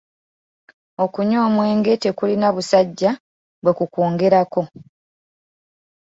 Okunywa omwenge tekulina busajja bwekukwongerako.